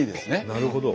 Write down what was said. なるほど。